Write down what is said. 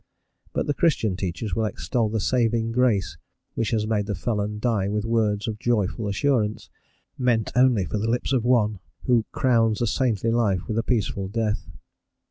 But the Christian teachers will extol the "saving grace" which has made the felon die with words of joyful assurance, meet only for the lips of one who crowns a saintly life with a peaceful death.